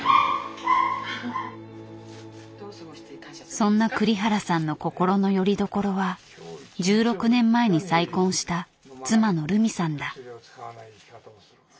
そんな栗原さんの心のよりどころは１６年前に再婚した妻のルミさんだ。